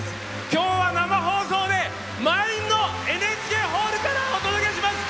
きょうは生放送で満員のＮＨＫホールからお届けします！